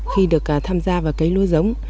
khi được tham gia vào cấy lúa giống